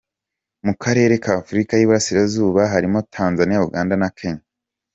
mu karere ka Afurika y’iburasirazuba harimo Tanzania, Uganda na Kenya.